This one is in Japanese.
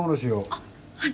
あっはい。